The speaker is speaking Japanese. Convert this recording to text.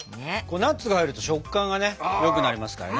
ナッツが入ると食感がねよくなりますからね。